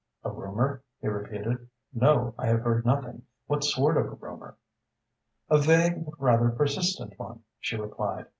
"A rumour?" he repeated. "No, I have heard nothing. What sort of a rumour?" "A vague but rather persistent one," she replied.